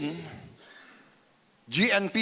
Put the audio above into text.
gnp gdp kita mungkin terendah